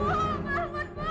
oh se festa ya